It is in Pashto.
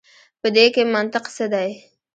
په دې کښي منطق څه دی.